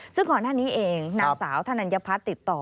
ซึ่งก่อนหน้านี้เองนางสาวธนัญพัฒน์ติดต่อ